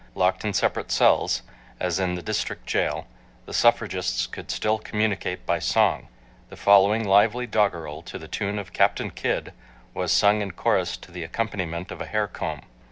Locked in separate cells, as in the District Jail, the suffragists could still communicate by song. The following lively doggerel to the tune of "Captain Kidd" was sung in chorus to the accompaniment of a hair comb.